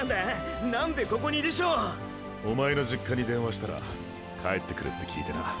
おまえの実家に電話したら帰ってくるって聞いてな。